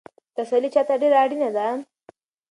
تسلي چا ته ډېره اړینه ده؟